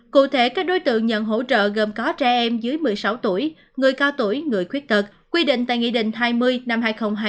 cụ thể các đối tượng nhận hỗ trợ gồm có trẻ em dưới một mươi sáu tuổi người cao tuổi người khuyết tật quy định tại nghị định hai mươi năm hai nghìn hai mươi